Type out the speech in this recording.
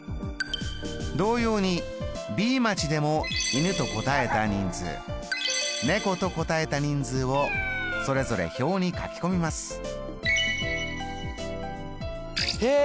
同様にＢ町でも犬と答えた人数猫と答えた人数をそれぞれ表に書き込みます。